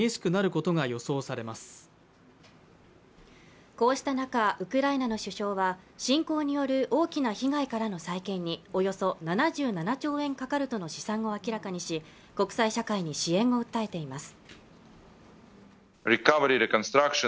こうした中ウクライナの首相は侵攻による大きな被害からの再建におよそ７７兆円かかるとの試算を明らかにし国際社会に支援を訴えています